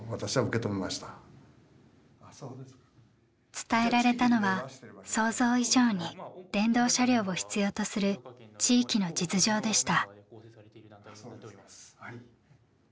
伝えられたのは想像以上に電動車両を必要とする地域の実情でした。